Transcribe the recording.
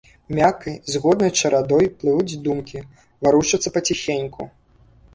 Мяккай, згоднай чарадой плывуць думкі, варушацца паціхеньку.